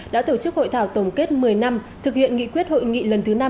đã tổ chức hội thảo tổng kết một mươi năm thực hiện nghị quyết hội nghị lần thứ năm